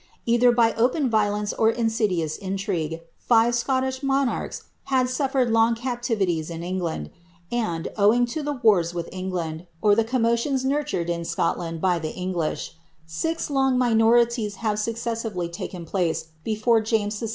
Either by open violence or insidious intrigue, five Scot tish monarchs had sulfered long captivities in England ;' and, owing to the wars with England, or the commotions nurtured in Scotland bv the English, six long minorities' had successively taken place before James VI.